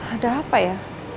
ada apa ya